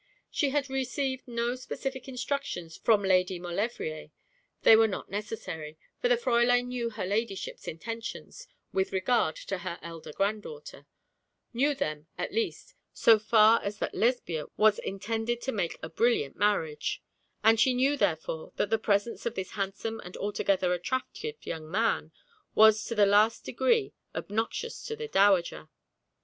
She had received no specific instructions from Lady Maulevrier. They were not necessary, for the Fräulein knew her ladyship's intentions with regard to her elder granddaughter, knew them, at least, so far as that Lesbia was intended to make a brilliant marriage; and she knew, therefore, that the presence of this handsome and altogether attractive young man was to the last degree obnoxious to the dowager.